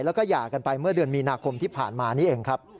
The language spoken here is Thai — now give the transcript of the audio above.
แล้วก็หย่ากันไปเมื่อเดือนมีนาคมที่ผ่านมานี่เองครับ